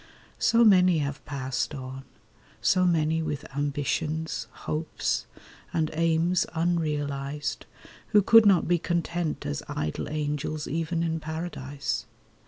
So many have passed on— So many with ambitions, hopes, and aims Unrealised, who could not be content As idle angels even in paradise.